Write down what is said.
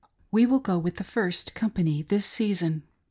We go with the first company this season.